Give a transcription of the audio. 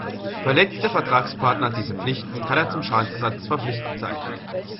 Verletzt der Vertragspartner diese Pflichten, kann er zum Schadensersatz verpflichtet sein.